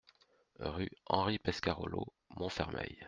Rue Henri Pescarolo, Montfermeil